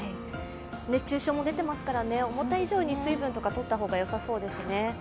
熱中症も出ていますから思った以上に水分とかとった方がよさそうですね。